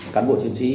cán bộ chiến sĩ